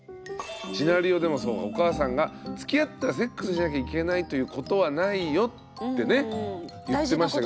シナリオでもそうかお母さんがつきあったらセックスしなきゃいけないということはないよってね言ってました。